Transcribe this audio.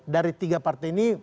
dari tiga partai ini